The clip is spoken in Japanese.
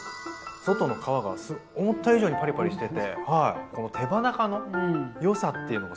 外の皮が思った以上にパリパリしててこの手羽中のよさっていうのがすっごくある気がしますね。